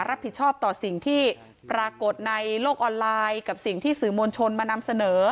รับผิดชอบต่อสิ่งที่ปรากฏในโลกออนไลน์กับสิ่งที่สื่อมวลชนมานำเสนอ